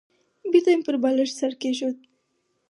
بېرته مې پر بالښت سر کېښود.